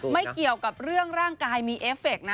ไม่เกี่ยวกับเรื่องร่างกายมีเอฟเฟคนะ